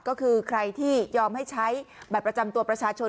ก็คือใครที่ยอมให้ใช้บัตรประจำตัวประชาชน